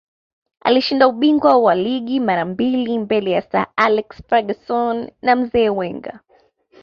alishinda ubingwa wa ligi mara mbili mbele ya sir alex ferguson na mzee wenger